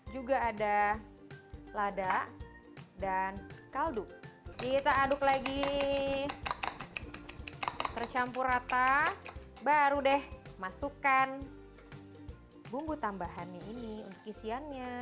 juga ada lada dan kaldu kita aduk lagi tercampur rata baru deh masukkan bumbu tambahannya ini untuk isiannya